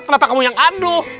kenapa kamu yang anduh